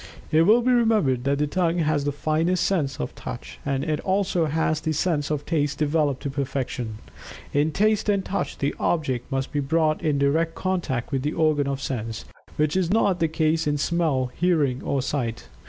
It will be remembered that the tongue has the finest sense of Touch, and it also has the sense of Taste developed to perfection. In Taste and Touch the object must be brought in direct contact with the organ of sense, which is not the case in Smell, Hearing, or Sight.